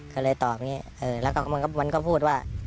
ก็เลยตอบอย่างนี้แล้วก็มันก็พูดว่า